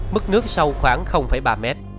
mức nước sâu khoảng ba mét